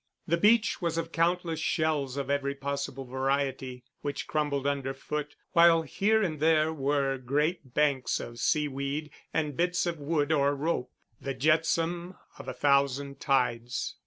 The beach was of countless shells of every possible variety, which crumbled under foot; while here and there were great banks of seaweed and bits of wood or rope, the jetsam of a thousand tides.